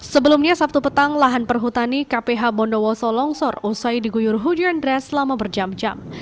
sebelumnya sabtu petang lahan perhutani kph bondowoso longsor usai diguyur hujan deras selama berjam jam